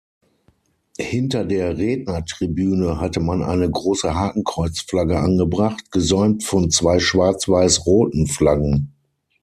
Hinter der Rednertribüne hatte man eine große Hakenkreuzflagge angebracht, gesäumt von zwei schwarz-weiß-roten Flaggen.